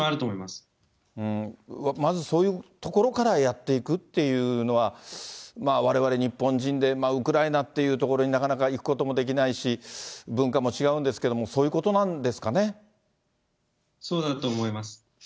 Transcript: まずそういうところからやっていくというのは、われわれ日本人でウクライナっていう所になかなか行くこともできないし、文化も違うんですけど、そういうことそうだと思います。